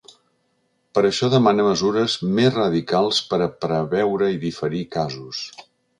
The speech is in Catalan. Per això demana mesures més ‘radicals’ per a ‘preveure i diferir’ casos.